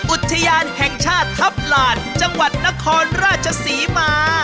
อุทยานแห่งชาติทัพลานจังหวัดนครราชศรีมา